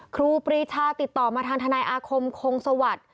ครูปรีชาติดต่อมาทางทนายอาคมคงสวัสดิ์